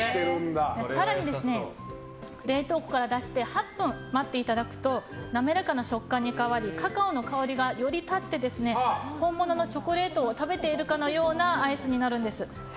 更に、冷凍庫から出して８分待っていただくと滑らかな食感に変わりカカオの香りが立ち本物のチョコレートを食べているかのようなアイスになります。